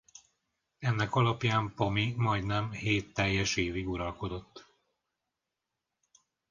Ennek alapján Pami majdnem hét teljes évig uralkodott.